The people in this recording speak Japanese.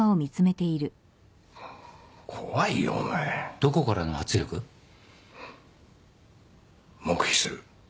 どこからの圧力？黙秘する。